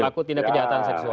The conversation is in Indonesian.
takut tindak kejahatan seksual